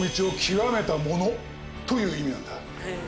という意味なんだ。